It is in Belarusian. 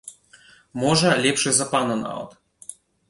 Можа, лепшы за пана нават.